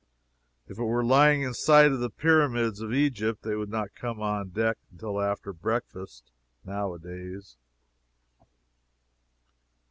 If we were lying in sight of the Pyramids of Egypt, they would not come on deck until after breakfast, now a days.